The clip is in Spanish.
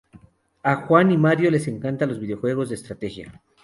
A Juan y Mario les encantan los videojuegos de estrategia